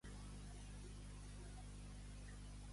Allí va tenir tres fills, morint prematurament.